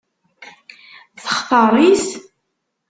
Textaṛ-it?